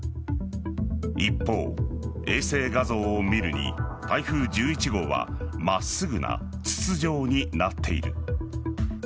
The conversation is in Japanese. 一方、衛星画像を見るに台風１１号は真っすぐな筒状になっている。